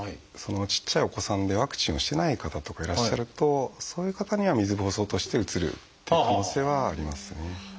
ちっちゃいお子さんでワクチンをしてない方とかいらっしゃるとそういう方には水ぼうそうとしてうつるっていう可能性はありますね。